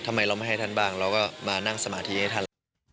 ทำไมเราไม่ให้ท่านบ้างเราก็มานั่งสมาธิให้ท่าน